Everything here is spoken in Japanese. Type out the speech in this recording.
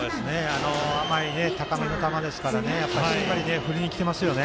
甘い高めの球ですからしっかり振りに来ていますね。